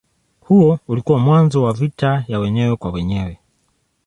Huo ulikuwa mwanzo wa vita ya wenyewe kwa wenyewe.